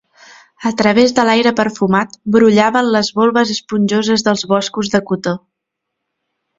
A través de l'aire perfumat, brollaven les volves esponjoses dels boscos de cotó.